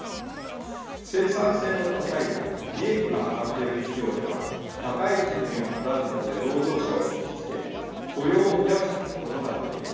生産性の高い利益の上がっている企業では高い賃金を払うことで労働者を引き付け雇用を増やすことができます。